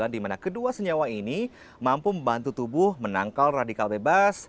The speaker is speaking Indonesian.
di mana kedua senyawa ini mampu membantu tubuh menangkal radikal bebas